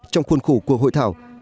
trong khuôn khủ của hội thảo